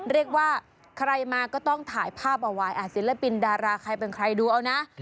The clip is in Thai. เรียกว่าใครมาก็ต้องถ่ายภาพเอาไว้ศิลปินดาราใครเป็นใครดูเอานะ